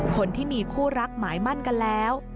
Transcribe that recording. คนที่มีคู่รักหมายมั่นกันแล้ว